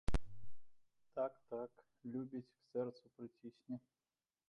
Так, так, любіць, к сэрцу прыцісне!